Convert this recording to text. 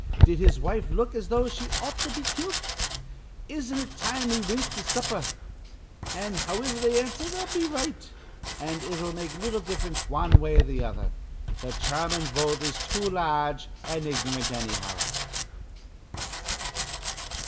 Did his wife look as though she ought to be kilt? Isn't it time we wint to supper?' An', howiver they answer, they'll be right, an' it'll make little diff'rence wan way or th' other. Th' German vote is too large an' ignorant, annyhow."